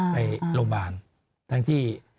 ไปโรงพยาบาลทั้งที่